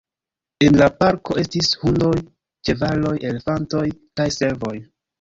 En la parko estis hundoj, ĉevaloj, elefantoj kaj servoj.